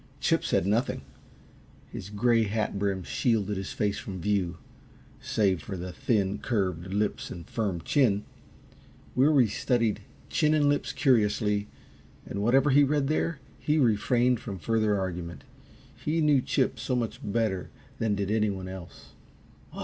Chip said nothing. His gray hat brim shielded his face from view, save for the thin, curved lips and firm chin. Weary studied chin and lips curiously, and whatever he read there, he refrained from further argument. He knew Chip so much better than did anyone else.